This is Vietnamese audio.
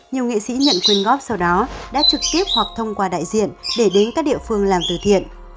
nhiều nghệ sĩ nhận quyền góp sau đó đã trực tiếp hoặc thông qua đại diện để đến các địa phương làm từ thiện